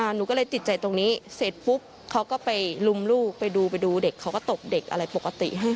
หนูก็เลยติดใจตรงนี้เสร็จปุ๊บเขาก็ไปลุมลูกไปดูไปดูเด็กเขาก็ตบเด็กอะไรปกติให้